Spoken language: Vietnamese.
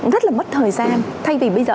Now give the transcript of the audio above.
rất là mất thời gian thay vì bây giờ